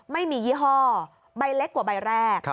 ไม่มียี่ห้อใบเล็กกว่าใบแรก